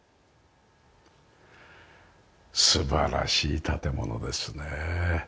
素晴らしい建物ですね。